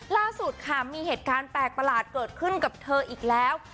ล่าสุดค่ะมีเหตุการณ์แปลกประหลาดเกิดขึ้นกับเธออีกแล้ว